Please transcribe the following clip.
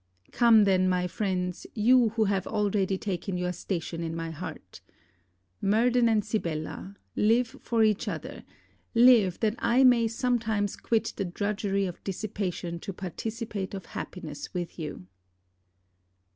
Come then, my friends, you who have already taken your station in my heart! Murden and Sibella live for each other live that I may sometimes quit the drudgery of dissipation to participate of happiness with you!